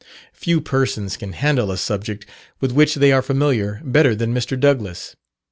Few persons can handle a subject with which they are familiar better than Mr. Douglass.